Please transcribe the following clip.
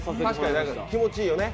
確かに気持ちいいよね。